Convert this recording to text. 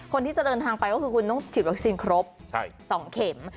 คนที่จะเดินทางไปก็คือคุณต้องฉีดวัคซีนครบ๒เข็ม